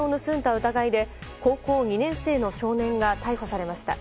疑いで高校２年生の少年が逮捕されました。